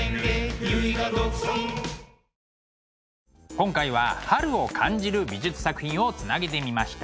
今回は春を感じる美術作品をつなげてみました。